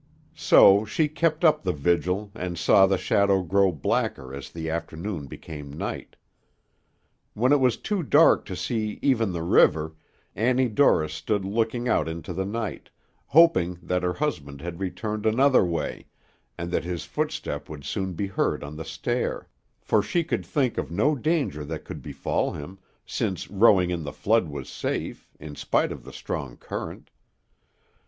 So she kept up the vigil, and saw the shadow grow blacker as the afternoon became night. When it was too dark to see even the river, Annie Dorris stood looking out into the night, hoping that her husband had returned another way, and that his footstep would soon be heard on the stair; for she could think of no danger that could befall him, since rowing in the flood was safe, in spite of the strong current.